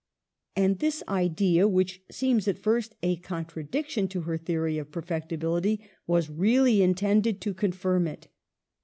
And this idea, which seems at first a contradiction to her theory of perfectibility, was really intended to confirm it.